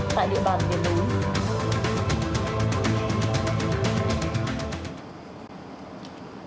tại địa bàn việt đức